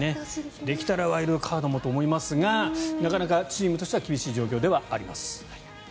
できたらワイルドカードもと思いますがなかなかチームとしては厳しい状況ではあります。